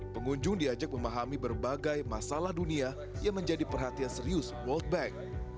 pengunjung diajak memahami berbagai masalah dunia yang menjadi perhatian serius world bank